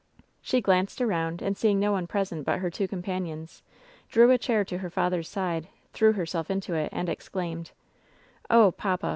She glanced around, and, seeing no one present but her two companions, drew a chair to her father's side, threw herself into it and exclaimed : "Oh, papa!